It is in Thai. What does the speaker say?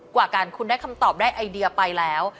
กว่าการคุณได้คำตอบได้ไอเดียไปแล้ว